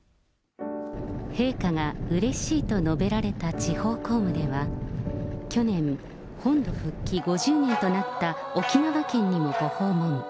陛下がうれしいと述べられた地方公務では、去年、本土復帰５０年となった沖縄県にもご訪問。